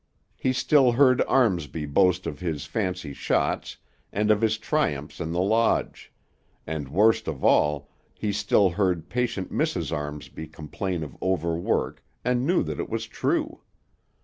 He still heard Armsby boast of his fancy shots, and of his triumphs in the lodge; and, worst of all, he still heard patient Mrs. Armsby complain of overwork, and knew that it was true.